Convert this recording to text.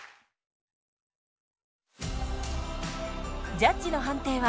ジャッジの判定は２対１。